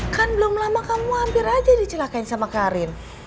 kan belum lama kamu hampir aja dicelakain sama karin